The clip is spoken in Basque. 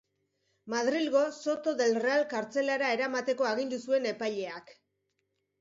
Madrilgo Soto del Real kartzelara eramateko agindu zuen epaileak.